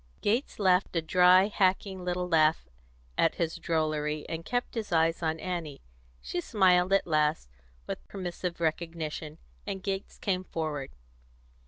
Gates laughed a dry, hacking little laugh at his drollery, and kept his eyes on Annie. She smiled at last, with permissive recognition, and Gates came forward.